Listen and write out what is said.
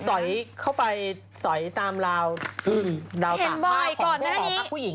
พวกสอยเข้าไปสอยตามราวต่างห้าของพวกบอกว่าผู้หญิง